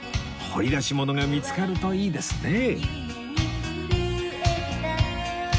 掘り出し物が見つかるといいですね